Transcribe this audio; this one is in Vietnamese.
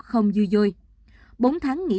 không dư dôi bốn tháng nghỉ